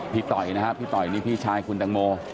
ต่อยนะฮะพี่ต่อยนี่พี่ชายคุณตังโม